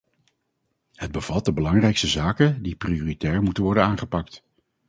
Het bevat de belangrijkste zaken die prioritair moeten worden aangepakt.